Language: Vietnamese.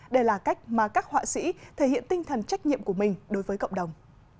đây là cách mà các họa sĩ thể hiện tinh thần trách nhiệm của mình đối với cộng đồng